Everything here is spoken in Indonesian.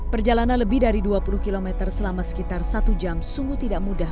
perjalanan lebih dari dua puluh km selama sekitar satu jam sungguh tidak mudah